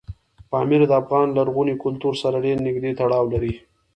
پامیر د افغان لرغوني کلتور سره ډېر نږدې تړاو لري.